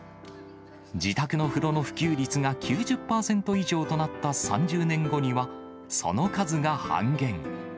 自宅の風呂の普及率が９０％以上となった３０年後には、その数が半減。